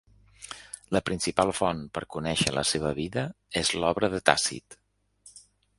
La principal font per conèixer la seva vida és l'obra de Tàcit.